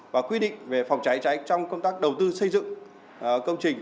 và quy định về phòng cháy cháy trong công tác đầu tư xây dựng công trình